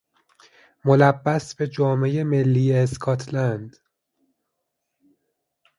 ملبس به جامهی ملی اسکاتلند